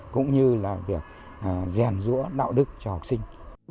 cũng như là việc rèn rũa đạo đức cho học sinh